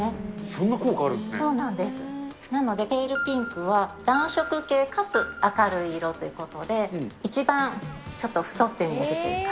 そうなんです、なのでペールピンクは暖色系かつ明るい色ということで、一番ちょっと太って見えるというか。